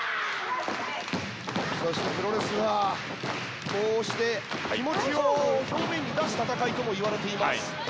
そしてプロレスはこうして気持ちを表面に出す戦いともいわれてます。